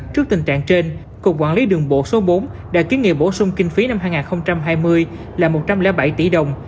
trước tình trạng trên cục quản lý đường bộ số bốn đã kiến nghị bổ sung kinh phí năm hai nghìn hai mươi là một trăm linh bảy tỷ đồng